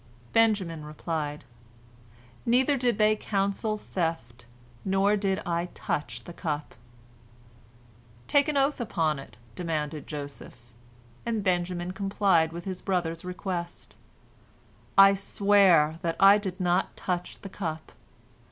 Benjamin replied: "Neither did they counsel theft, nor did I touch the cup." "Take an oath upon it," demanded Joseph, and Benjamin complied with his brother's request: "I swear that I did not touch the cup!